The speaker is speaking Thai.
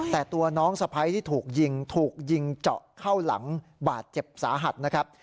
แต่ตัวน้องสะพ้ายที่ถูกยิงถูกยิงเจาะเข้าหลังบาดเจ็บสาหัสนะครับ